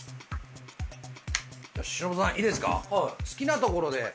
好きなところで。